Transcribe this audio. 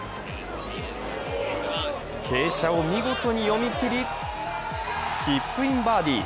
傾斜を見事に読みきり、チップインバーディー。